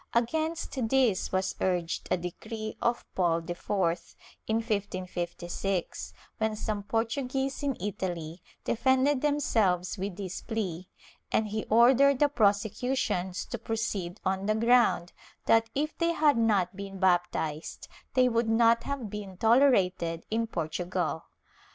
Against this was urged a decree of Paul IV, in 1556, when some Portuguese in Italy defended themselves with this plea, and he ordered the prosecutions to proceed on the ground that, if they had not been baptized, they would not have been tolerated in Portugal.